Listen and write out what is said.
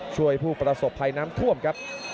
ผู้ประสบภัยน้ำท่วมครับ